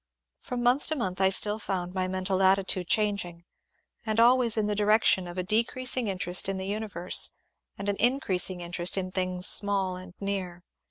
From month to month I still found my mental attitude changing, and always in the direction of a decreasing interest in the universe and an increasing interest in things small and near.